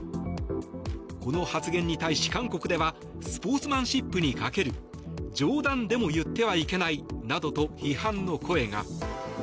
この発言に対し、韓国ではスポーツマンシップに欠ける冗談でも言ってはいけないなどと批判の声が。